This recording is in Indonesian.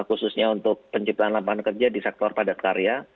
khususnya untuk penciptaan lapangan kerja di sektor padat karya